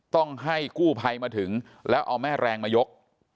ต้องให้กู้ภัยมาถึงแล้วเอาแม่แรงมายก